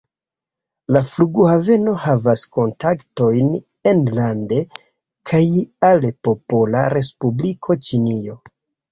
La flughaveno havas kontaktojn enlande kaj al Popola Respubliko Ĉinio.